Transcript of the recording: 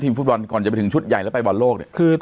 ทีมฟุตบอลก่อนจะไปถึงชุดใหญ่แล้วไปบรรโลก